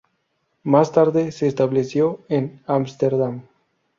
Más tarde se estableció en Ámsterdam.